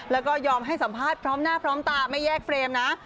แล้วก็ยอมให้สัมภาษณ์พร้อมหน้าพร้อมตาไม่แยกเฟรมนะ